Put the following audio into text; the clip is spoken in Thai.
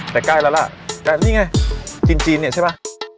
แต่ใกล้แล้วล่ะแต่นี่ไงจีนเนี่ยใช่ไหม